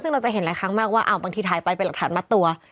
ซึ่งเราจะเห็นหลายครั้งมากว่าบางทีถ่ายไปเป็นหลักฐานมัดตัว